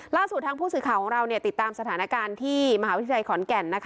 ล่าสุดทางผู้สื่อข่าวของเราติดตามสถานการณ์ที่มหาวิทยาลัยขอนแก่น